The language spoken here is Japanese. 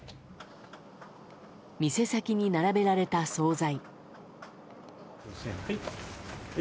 店先に並べられた総菜。